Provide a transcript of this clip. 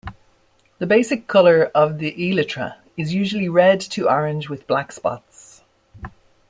The basic color of the elytra is usually red to orange with black spots.